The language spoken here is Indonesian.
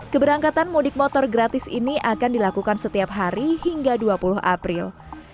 keberangkatan mudik motor gratis ini akan dilakukan setiap hari hingga dua puluh april